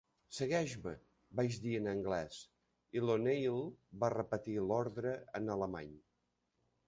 "Segueix-me", vaig dir en anglès, i O'Neil va repetir l'ordre en alemany.